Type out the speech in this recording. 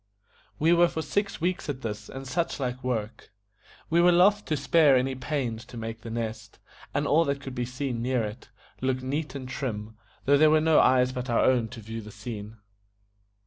We were for six weeks at this and such like work. We were loth to spare any pains to make The Nest, and all that could be seen near it, look neat and trim, though there were no eyes but our own to view the scene.